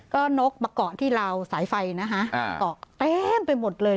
ก็นกปะเกาะที่เราสายไฟนะฮะอ่าปะเต้มไปหมดเลย